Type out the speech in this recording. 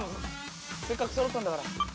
・せっかくそろったんだから。